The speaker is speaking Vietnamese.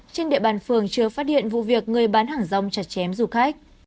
trên địa bàn phường chưa phát hiện vụ việc người bán hàng rong chặt chém du khách